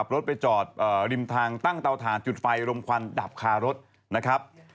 รถไปจอดริมทางตั้งเตาถ่านจุดไฟลมควันดับคารถนะครับ